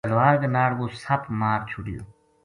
تلوار کے ناڑ وہ سپ مار چھوڈیو